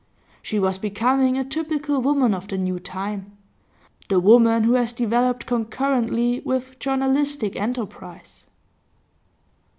She was becoming a typical woman of the new time, the woman who has developed concurrently with journalistic enterprise.